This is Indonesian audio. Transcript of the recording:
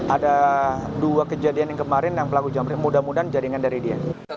ada dua kejadian yang kemarin yang pelaku jamre mudah mudahan jaringan dari dia